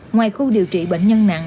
ngoài khu điều trị bệnh nhân nặng